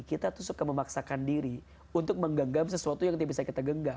kita tuh suka memaksakan diri untuk menggenggam sesuatu yang tidak bisa kita genggam